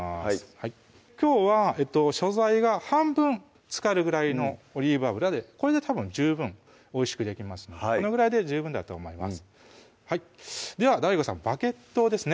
はいきょうは食材が半分つかるぐらいのオリーブ油でこれでたぶん十分おいしくできますのでこのぐらいで十分だと思いますではＤＡＩＧＯさんバゲットですね